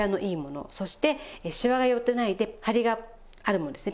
そしてシワが寄ってないでハリがあるものですね。